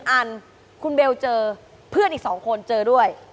อันคุณเบลเจอเพื่อนอีก๒คนเจอด้วย